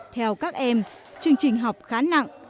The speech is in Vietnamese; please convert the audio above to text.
theo các em chương trình học khá nặng